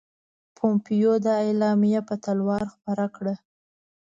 پومپیو دا اعلامیه په تلوار خپره کړه.